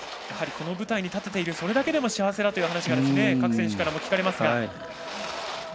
やはりこの舞台に立てているそれだけでも幸せだという話が各選手からも聞かれました。